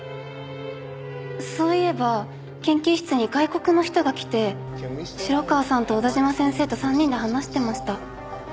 そういえば研究室に外国の人が来て城川さんと小田嶋先生と３人で話してました。